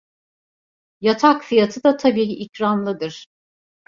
Yatak fiyatı da tabii ikramlıdır.